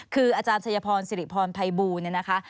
คืออาจารย์ชัยพรสิริพรพัยบูรณ์นะคะ